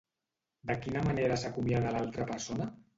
De quina manera s'acomiada l'altra persona?